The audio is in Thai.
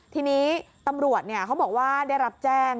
ทีนี้ตำรวจเขาบอกว่าได้รับแจ้ง